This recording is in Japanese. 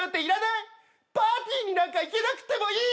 パーティーになんか行けなくってもいい！